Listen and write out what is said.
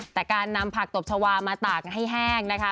แต่การนำผักตบชาวามาตากให้แห้งนะคะ